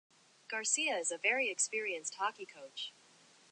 Garcia is a very experienced hockey coach.